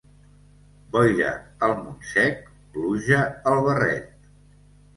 Boira al Montsec, pluja al barret.